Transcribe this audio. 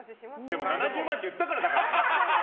でも７０万って言ったから！